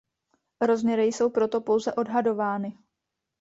Rozměry jsou proto pouze odhadovány.